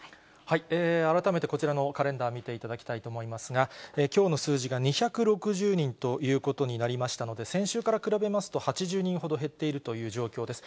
改めてこちらのカレンダー見ていただきたいと思いますが、きょうの数字が２６０人ということになりましたので、先週から比べますと、８０人ほど減っているという状況です。